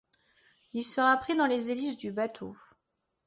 Il sera pris dans les hélices du bateau.